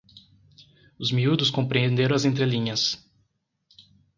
Os miúdos compreenderam as entrelinhas